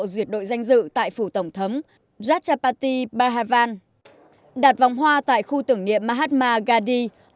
duyệt đội danh dự tại phủ tổng thấm rajapati bharavan đạt vòng hoa tại khu tưởng niệm mahatma gadi